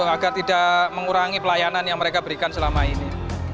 agar tidak mengurangi pelayanan yang mereka berikan selama ini